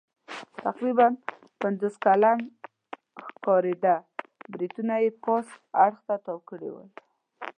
تقریباً پنځوس کلن ښکارېده، برېتونه یې پاس اړخ ته تاو کړي ول.